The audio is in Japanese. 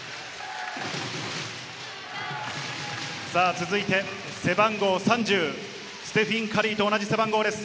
続いて背番号３０、ステフィン・カリーと同じ背番号です。